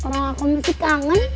orang aku masih kangen